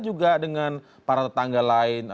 juga dengan para tetangga lain